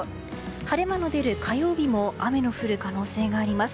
晴れ間の出る火曜日も雨の降る可能性があります。